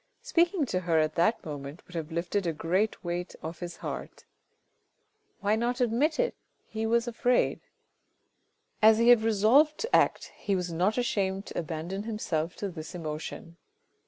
Speaking to her at that moment would have lifted a great weight off his heart. Why not admit it ? he was afraid. As he had resolved to act, he was not ashamed to abandon himself to this emotion.